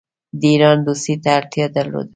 د ایران دوستی ته اړتیا درلوده.